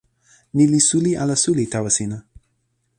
ni li suli ala suli tawa sina?